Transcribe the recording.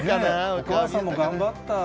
お母さん、頑張った。